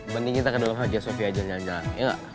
mending kita ke dalam hagia sophia jalan jalan ya gak